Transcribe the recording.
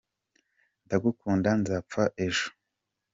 ndagukunda nzapfa ejo